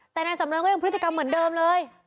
แต่นายสำเริงก็ยังพฤติกรรมเหมือนเดิมเลย